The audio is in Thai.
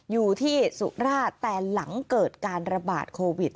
อยู่ที่สุราชแต่หลังเกิดการระบาดโควิด